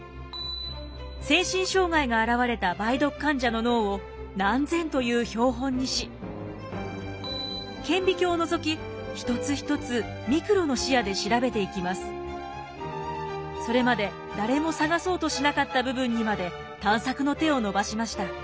精神障害が現れた梅毒患者の脳を何千という標本にし顕微鏡をのぞきそれまで誰も探そうとしなかった部分にまで探索の手を伸ばしました。